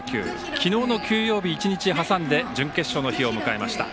昨日の休養日、１日挟んで準決勝の日を迎えました。